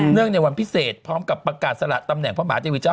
ในวันพิเศษพร้อมกับประกาศสละตำแหน่งพระมหาเทวีเจ้า